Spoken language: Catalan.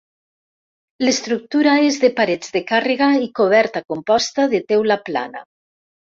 L'estructura és de parets de càrrega i coberta composta de teula plana.